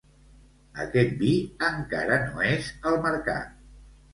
Aquest vi encara no és al mercat.